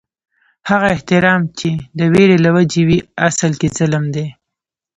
هغه احترام چې د وېرې له وجې وي، اصل کې ظلم دي